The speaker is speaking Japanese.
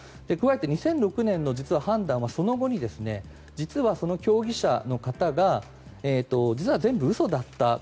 加えて２００６年の判断はその後に実はその競技者の方が実は全部嘘だった。